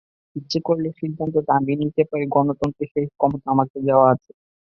ইচ্ছে করলে সিদ্ধান্তটা আমি নিতে পারি, গঠনতন্ত্রে সেই ক্ষমতা আমাকে দেওয়া আছে।